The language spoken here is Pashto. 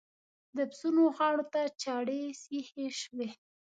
د پسونو غاړو ته چړې سيخې شوې.